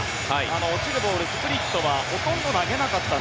落ちるボール、スプリットはほとんど投げなかった。